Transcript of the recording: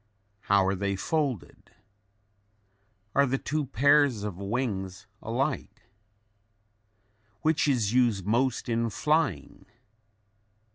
How are they folded? Are the two pairs of wings alike? Which is used most in flying?